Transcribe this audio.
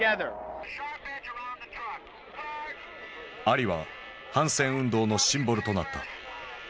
アリは反戦運動のシンボルとなった。